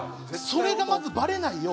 それがまずバレないように。